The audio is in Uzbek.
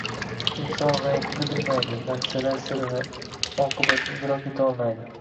Inson g‘aybni bilmaydi, narsalar sirini, oqibatini idrok etolmaydi.